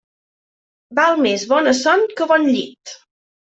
Val més bona son que bon llit.